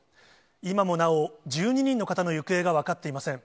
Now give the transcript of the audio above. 今もなお、１２人の方の行方が分かっていません。